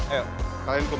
ayo kalian kehunung semua